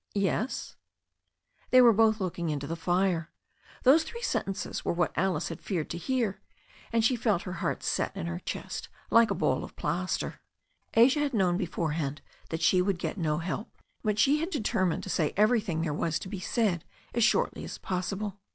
"Yes?" They were both looking into the fire. Those three sen tences were what Alice had feared to hear, and she felt her heart set in her chest like a ball of plaster. Asia had known beforehand that she would get no hel^^ 1224 THE STORY OF A NEW ZEALAND RIVEH but she had determined to say everything there was to be said as shortly as possible.